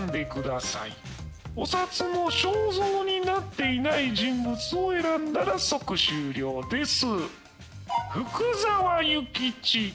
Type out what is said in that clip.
お札の肖像になっていない人物を選んだら即終了です。